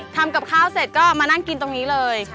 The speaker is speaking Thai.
ทำกับข้าวเสร็จก็มานั่งกินตรงนี้เลย